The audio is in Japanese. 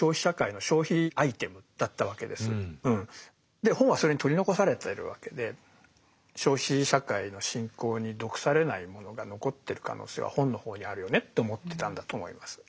で本はそれに取り残されてるわけで消費社会の進行に毒されないものが残ってる可能性は本の方にあるよねと思ってたんだと思います。